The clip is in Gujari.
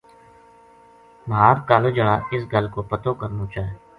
مھہار کالج ہالا اس گل کو پتو کرنو چا